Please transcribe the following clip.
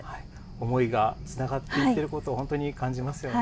思いがつながっていってることを本当に感じますよね。